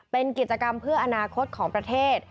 เป็นกิจกรรมเพื่ออนาคตของประเทศ